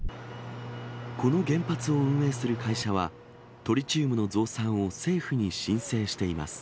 この原発を運営する会社は、トリチウムの増産を政府に申請しています。